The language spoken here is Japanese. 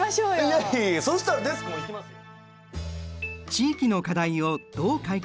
いやいやいやそしたらデスクも行きますよ！